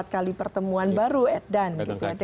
lima puluh empat kali pertemuan baru at done